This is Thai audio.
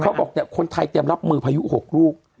เขาบอกเนี่ยคนไทยเตรียมรับมือพายุ๖ลูก